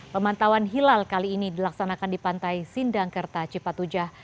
pemantauan hilal kali ini dilaksanakan di pantai sindangkerta cipatujah